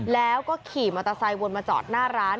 แล้วก็ขี่มอเตอร์ไซค์วนมาจอดหน้าร้าน